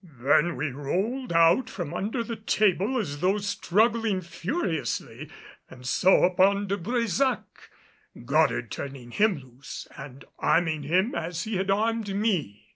Then we rolled out from under the table as though struggling furiously, and so upon De Brésac, Goddard turning him loose and arming him as he had armed me.